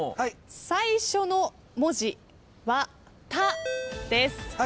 最初の文字は「た」です。